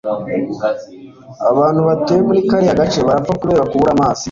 abantu batuye muri kariya gace barapfa kubera kubura amazi